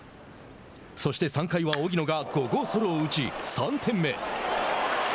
そして３回は荻野が５号ソロを打ち３点目。